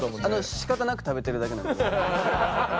仕方なく食べてるだけなんで。